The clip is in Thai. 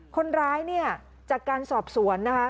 คนร้ายเนี่ยจากการสอบสวนนะคะ